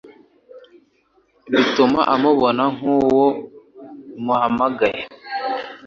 bituma umubona nk'uwo muhanganye,